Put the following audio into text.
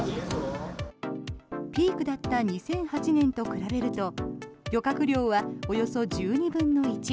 ピークだった２００８年と比べると漁獲量はおよそ１２分の１。